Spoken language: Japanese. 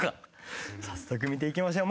早速見ていきましょう。